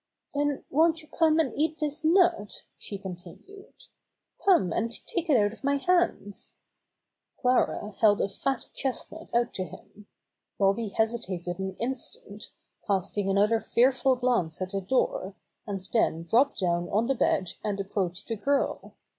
"Then won't you come and eat this nut?" she continued. "Come and take it out of my hands." Clara held a fat chestnut out to him. Bobby hesitated an instant, casting another fearful glance at the door, and then dropped down on the bed and approached the girl.